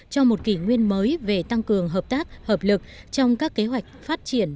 cho một kỷ nguyên mới về tăng cường hợp tác hợp lực trong các kế hoạch phát triển